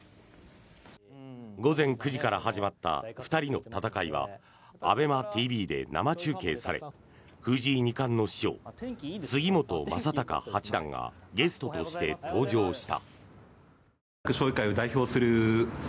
午前９時から始まった２人の戦いはＡｂｅｍａＴＶで生中継され藤井二冠の師匠・杉本昌隆八段がゲストとして登場した。